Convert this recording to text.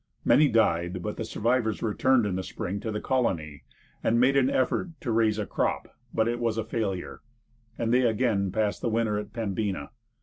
Many died, but the survivors returned in the spring to the colony, and made an effort to raise a crop; but it was a failure, and they again passed the winter at Pembina.